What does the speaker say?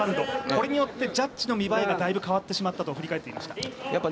これによってジャッジの見栄えがだいぶ変わってしまったと振り返っていました。